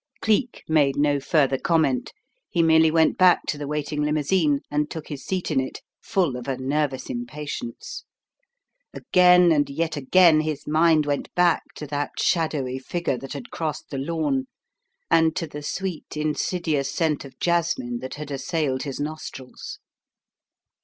Cleek made no further comment. He merely went back to the waiting limousine and took his seat In the Dark 31 in it, full of a nervous impatience. Again and yet again his mind went back to that shadowy figure that had crossed the lawn, and to the sweet, insidious scent of jasmine that had assailed his nostrils.